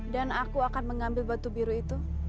dan aku akan mengambil batu biru itu